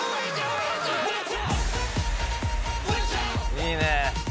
いいね。